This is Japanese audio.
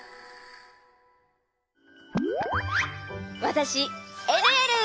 わたしえるえる！